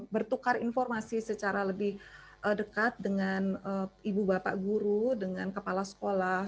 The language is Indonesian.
bertukar informasi secara lebih dekat dengan ibu bapak guru dengan kepala sekolah